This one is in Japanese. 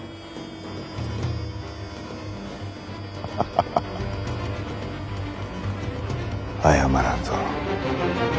ハハハハハ！謝らんぞ。